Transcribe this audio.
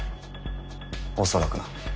恐らくな。